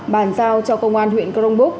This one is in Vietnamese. bàn giao cho công an huyện crong búc